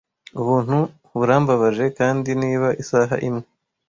ubuntu burambabaje kandi niba isaha imwe